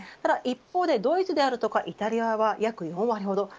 一方でドイツであるとかイタリアは約４割ほど。